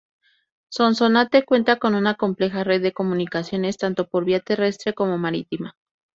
Sonsonate cuenta con una compleja red de comunicaciones, tanto por vía terrestre, como marítima.